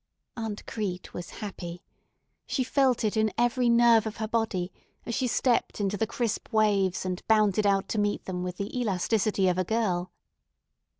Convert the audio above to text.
Aunt Crete was happy. She felt it in every nerve of her body as she stepped into the crisp waves and bounded out to meet them with the elasticity of a girl.